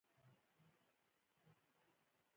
هغې د ماشومانو لپاره ګرم چاکلیټ له کریم سره چمتو کړل